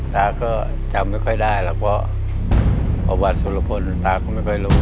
ตาก็จำไม่ค่อยได้แล้วเพราะ